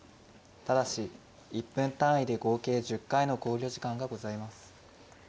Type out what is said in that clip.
１分単位で合計１０回の考慮時間がございます。